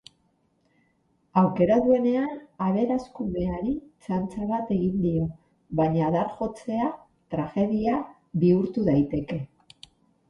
Aukera duenean aberaskumeari txantxa bat egingo dio, baina adarjotzea tragedia bihurtu daiteke.